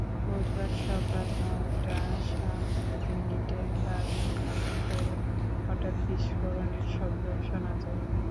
বুধবার সকাল নয়টা সাত মিনিটে বাড়ির ভেতরে হঠাৎ বিস্ফোরণের শব্দ শোনা যায়।